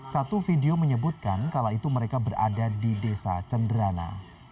satu video menyebutkan kala itu mereka berada di desa cenderana